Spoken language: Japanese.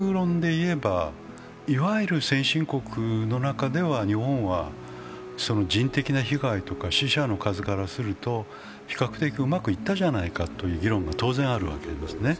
比較論でいえばいわゆる先進国の中では日本は人的な被害とか死者の数からすると比較的うまくいったじゃないかという議論が当然あるわけですね。